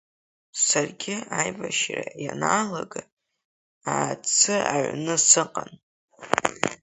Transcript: Саргьы аибашьра ианалага Аацы аҩны сыҟан.